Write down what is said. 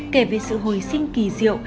kể về sự hồi sinh kỳ diệu